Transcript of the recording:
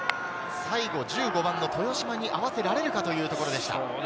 １５番の豊嶋に合わせられるかというところでした。